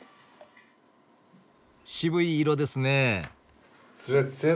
渋い色ですね？